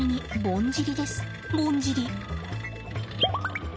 ぼんじり。